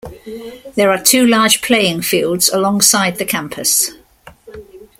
There are two large playing fields alongside the campus.